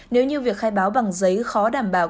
nếu như việc khai báo bằng giấy khó đảm bảo